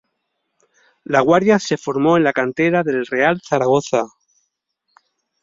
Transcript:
Laguardia se formó en la cantera del Real Zaragoza.